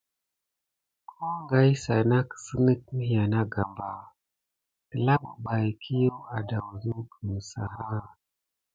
Kogan isa nà kisinek miya nà gambà, telā bebaye kia adesumku seya.